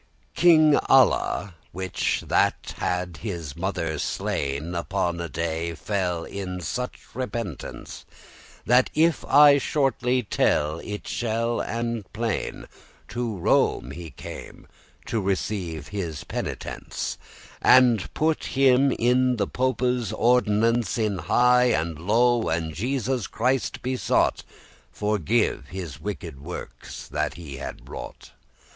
King Alla, which that had his mother slain, Upon a day fell in such repentance; That, if I shortly tell it shall and plain, To Rome he came to receive his penitance, And put him in the Pope's ordinance In high and low, and Jesus Christ besought Forgive his wicked works that he had wrought.